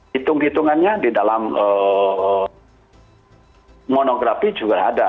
hitung hitungannya di dalam mornografi juga ada